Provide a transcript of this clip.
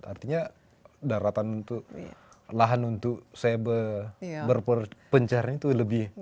artinya daratan untuk lahan untuk saya berpencaran itu lebih